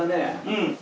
うん。